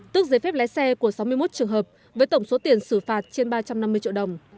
tước giấy phép lái xe của sáu mươi một trường hợp với tổng số tiền xử phạt trên ba trăm năm mươi triệu đồng